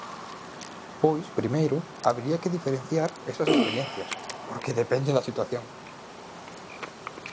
Pois, primeiro, habería que diferenciar esas experiencias, porque depende da situación.